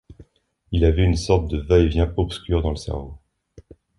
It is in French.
Il avait une sorte de va-et-vient obscur dans le cerveau.